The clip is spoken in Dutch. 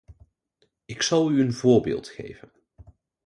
Ik zal u een voorbeeld geven.